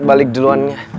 gue balik duluan